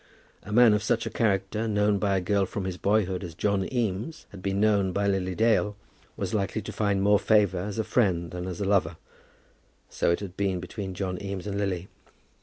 A man of such a character, known by a girl from his boyhood as John Eames had been known by Lily Dale, was likely to find more favour as a friend than as a lover. So it had been between John Eames and Lily.